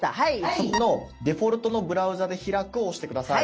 そこの「デフォルトのブラウザで開く」を押して下さい。